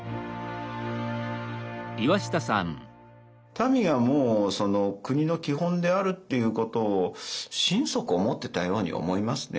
民がもうその国の基本であるっていうことを心底思ってたように思いますね